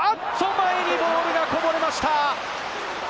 前にボールがこぼれました。